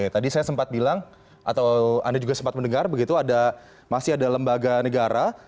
tadi saya sempat bilang atau anda juga sempat mendengar begitu ada masih ada lembaga negara